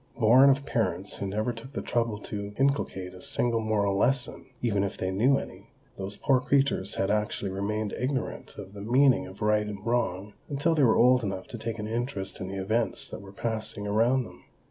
Born of parents who never took the trouble to inculcate a single moral lesson, even if they knew any, those poor creatures had actually remained ignorant of the meaning of right and wrong until they were old enough to take an interest in the events that were passing around them.